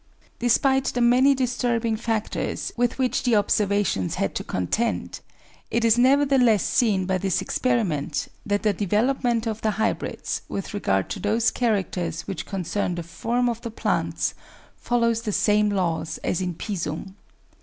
Despite the many disturbing factors with which the observations had to contend, it is nevertheless seen by this experiment that the development of the hybrids, with regard to those characters which concern the form of the plants, follows the same laws as in Pisum.